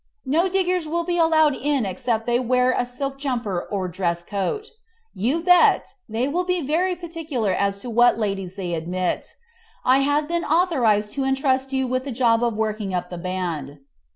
No diggers will be allowed in except they wear a silk jumper or dress coat. You bet, they will be very particular as to what ladies they admit. I have been authorised to entrust you with the job of working up the band.